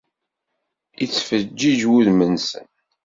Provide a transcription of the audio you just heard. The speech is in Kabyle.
Ittfeǧǧiǧ wudem-nsen.